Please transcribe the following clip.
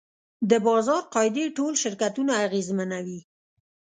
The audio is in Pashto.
د بازار قاعدې ټول شرکتونه اغېزمنوي.